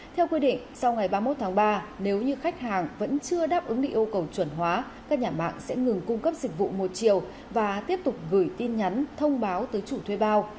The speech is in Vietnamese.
theo quy định sau ngày ba mươi một tháng ba nếu như khách hàng vẫn chưa đáp ứng được yêu cầu chuẩn hóa các nhà mạng sẽ ngừng cung cấp dịch vụ một chiều và tiếp tục gửi tin nhắn thông báo tới chủ thuê bao